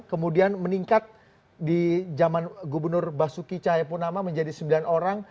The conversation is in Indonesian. kemudian meningkat di zaman gubernur basuki cahayapunama menjadi sembilan orang